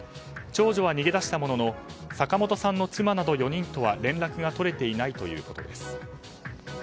長女は逃げ出したものの坂本さんの妻などとは連絡が取れていないということです。